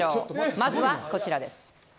まずは、こちらです。